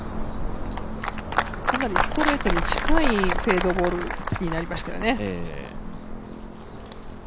かなりストレートに近いフェードボールになりましたよね。